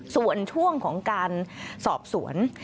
ส่วนช่วงของการสอบสวน